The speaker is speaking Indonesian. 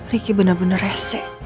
riki benar benar rese